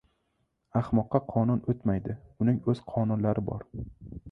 • Ahmoqqa qonun o‘tmaydi, uning o‘z qonunlari bor.